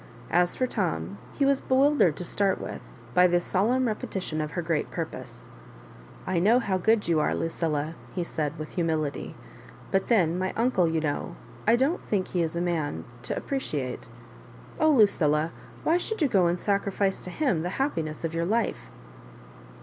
As for Tom, he was bewildered, to start with, by this solemn repetition of her great purposa " I know how good you are, Lucilla," he said, with humility; "but then my uncle, you know — I don*t think he is a man to appreciate . Oh, Lucilla I why should you go and sacrifice to him the happiness of your life?"